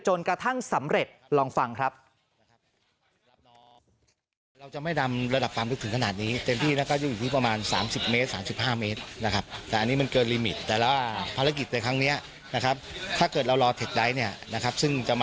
จนกระทั่งสำเร็จลองฟังครับ